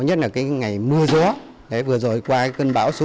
nhất là ngày mưa gió vừa rồi qua cơn bão số một mươi